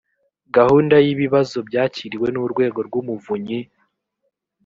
gahunda y’ibibazo byakiriwe n’urwego rw’umuvunyi